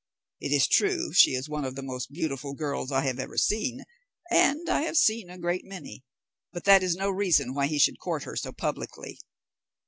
It is true, she is one of the most beautiful girls I have ever seen, and I have seen a great many; but that is no reason why he should court her so publicly."